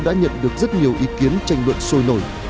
đã nhận được rất nhiều ý kiến tranh luận sôi nổi